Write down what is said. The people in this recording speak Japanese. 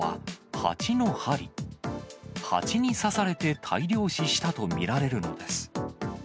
ハチに刺されて大量死したと見られるのです。